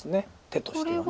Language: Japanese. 手としては。